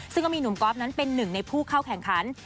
ซึ่งก็มีหนุ่มก๊อฟนั้นเป็นหนึ่งในผู้เข้าแข่งขัน